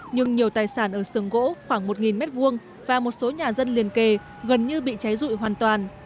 nhưng nhiều tài sản ở sườn gỗ khoảng một m hai và một số nhà dân liền kề gần như bị cháy rụi hoàn toàn